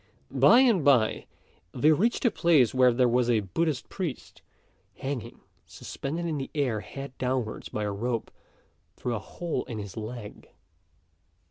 By and by, they reached a place where there was a Buddhist priest, hanging suspended in the air head downwards, by a rope through a hole in his leg.